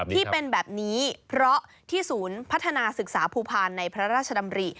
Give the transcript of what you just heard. ที่เป็นแบบนี้เพราะที่ศูนย์พัฒนาศึกษาภูพาลในพระราชดำริ